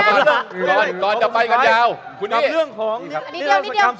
ก่อนก่อนจะไปกันยาวคุณนี่เรื่องของนี่เดียวนี่เดียวคุณซอย